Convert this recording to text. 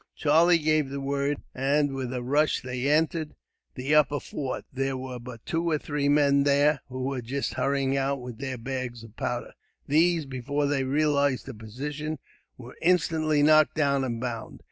Charlie gave the word, and with a rush they entered the upper fort. There were but two or three men there, who were just hurrying out with their bags of powder. These, before they realized the position, were instantly knocked down and bound.